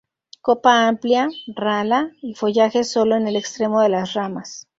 Copa amplia, rala, y follaje solo en el extremo de las ramas.